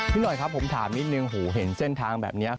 หน่อยครับผมถามนิดนึงหูเห็นเส้นทางแบบนี้